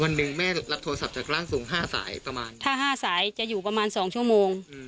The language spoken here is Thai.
หนึ่งแม่รับโทรศัพท์จากร่างทรงห้าสายประมาณถ้าห้าสายจะอยู่ประมาณสองชั่วโมง